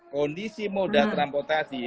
kondisi modal transportasi